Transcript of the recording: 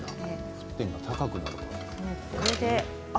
沸点が高くなる。